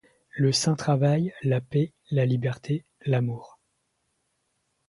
Le saint travail, la paix, la liberté, l'amour